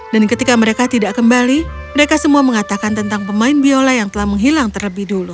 dan ketika mereka tidak kembali mereka semua mengatakan tentang pemain biola yang telah menghilang terlebih dulu